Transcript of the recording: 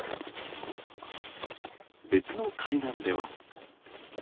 別の海岸では。